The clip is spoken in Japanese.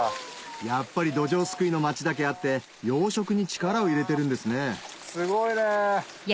やっぱりどじょうすくいの町だけあって養殖に力を入れてるんですねすごいね。